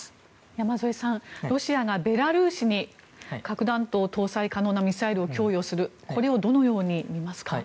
山添さん、ロシアがベラルーシに核弾頭搭載可能なミサイルを供与するこれをどのように見ますか。